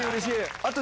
あと。